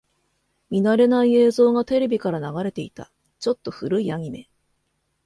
見慣れない映像がテレビから流れていた。ちょっと古いアニメ。